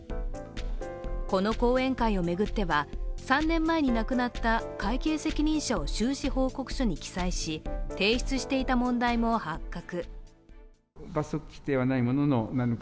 この後援会を巡っては３年前に亡くなった会計責任者を収支報告書に記載し提出していた問題も発覚。